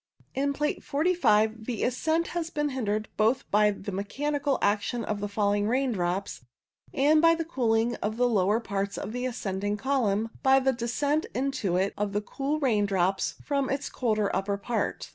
In Plate 45 the ascent has been hindered both by the mechanical action of the falling raindrops and by the cooling of the lower parts of the ascending column by the descent into it of the cool drops from its colder upper part.